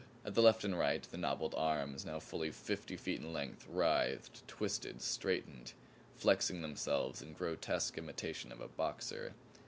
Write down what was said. At the left and right the knobbed arms, now fully fifty feet in length, writhed, twisted, straightened; flexing themselves in grotesque imitation of a boxer.